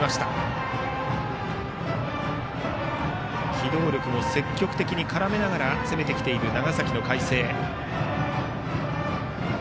機動力を積極的に絡めながら攻めてきている長崎の海星。